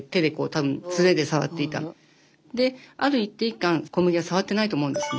である一定期間小麦は触ってないと思うんですよね。